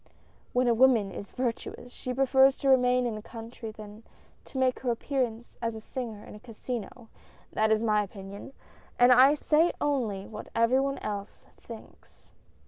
When a woman is virtuous, she prefers to remain in the country than to make her appearance as a singer in a casino — that is my opinion, and I say only what every one else thinks."